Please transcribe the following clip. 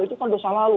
itu kan dosa lalu